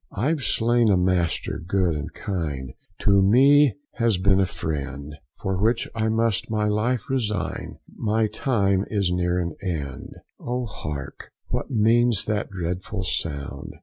I've slain a master good and kind, To me has been a friend, For which I must my life resign, My time is near an end. Oh hark! what means that dreadful sound?